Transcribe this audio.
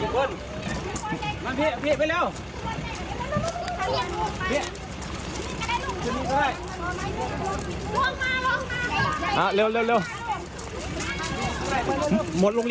กี่คน